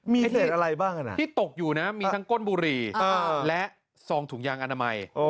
มีเศษอะไรบ้างที่ตกอยู่นะมีทั้งก้นบุหรี่และซองถุงยางอนามัย